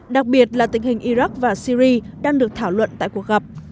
đặc biệt là tình hình iraq và syri đang được thảo luận tại cuộc gặp